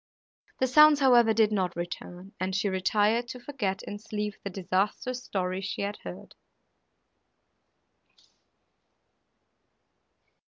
The sounds, however, did not return, and she retired, to forget in sleep the disastrous story she had heard.